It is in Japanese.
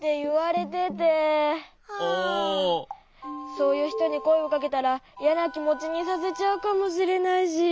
そういうひとにこえをかけたらいやなきもちにさせちゃうかもしれないし。